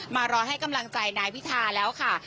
มารอให้กำลังใจนายพิทาริมเจริญรัตน์แล้วค่ะ